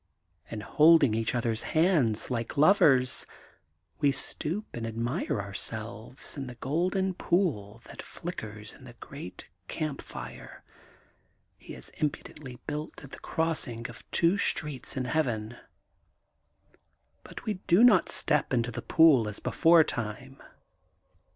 And, holding each other's hands like lovers, we stoop and admire our selves in the golden pool that flickers in the great campfire he has impudently built at the crossing of two streets in Heaven. But we do not step into the pool as before time.